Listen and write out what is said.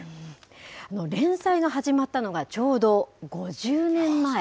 連載が始まったのがちょうど５０年前。